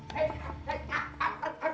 terima kasih tuan